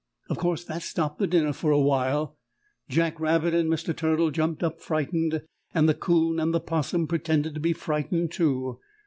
Of course that stopped the dinner for a while. Jack Rabbit and Mr. Turtle jumped up frightened, and the 'Coon and the 'Possum pretended to be frightened, too.